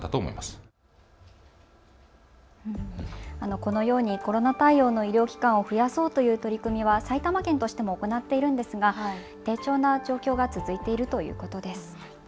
このようにコロナ対応の医療機関を増やそうという取り組みは埼玉県としても行っているんですが低調な状況が続いているということです。